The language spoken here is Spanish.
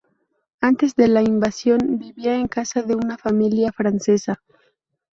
Antes de la invasión vivía en casa de una familia francesa.